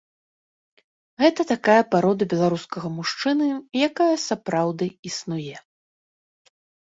Гэта такая парода беларускага мужчыны, якая сапраўды існуе.